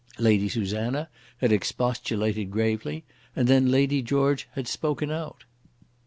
Lady Susanna had expostulated gravely, and then Lady George had spoken out.